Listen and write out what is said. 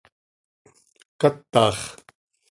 ¡Catax!